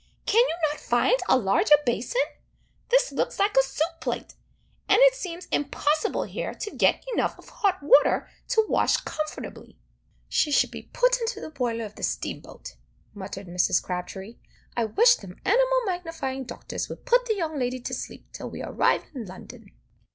Can you not find a larger basin? This looks like a soup plate, and it seems impossible here to get enough of hot water to wash comfortably." "She should be put into the boiler of the steam boat," muttered Mrs. Crabtree. "I wish them animal magnifying doctors would put the young lady to sleep till we arrive in London."